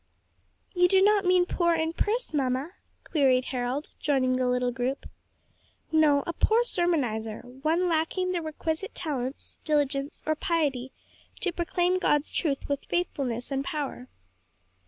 "You do not mean poor in purse, mamma?" queried Harold, joining the little group. "No; a poor sermonizer one lacking the requisite talents, diligence or piety to proclaim God's truth with faithfulness and power."